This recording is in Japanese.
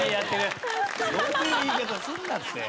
そういう言い方すんなって。